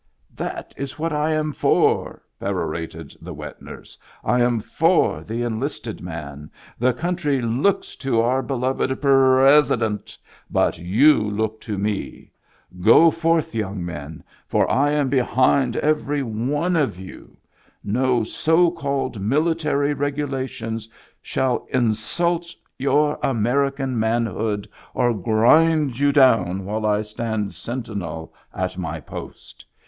" That is what I am for I " perorated the wet nurse. " I am for the enlisted man. The coun try looks to our beloved Purresident, but you look to me. Go forth, young men, for I am behind every one of you. No so called military regula tions shall insult your American manhood or grind Digitized by Google IN THE BACK 97 you down while I stand sentinel at my post.